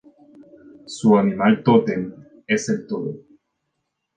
Su animal-totem es el toro.